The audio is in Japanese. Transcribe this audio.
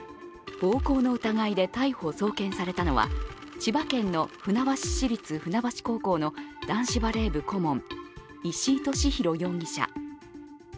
暴行の疑いで逮捕・送検されたのは千葉県の船橋市立船橋高校の男子バレー部顧問石井利広容疑者。